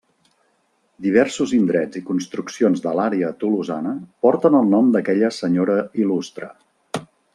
Diversos indrets i construccions de l'àrea tolosana porten el nom d'aquella senyora il·lustra.